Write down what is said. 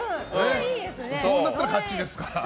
そうなったら勝ちですから。